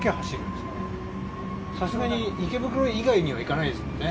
さすがに池袋以外にはいかないですもんね。